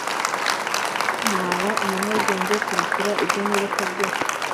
naba umunyabwenge kurekura ibyo nibuka byose